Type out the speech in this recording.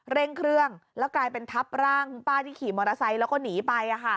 เร่งเครื่องแล้วกลายเป็นทับร่างคุณป้าที่ขี่มอเตอร์ไซค์แล้วก็หนีไป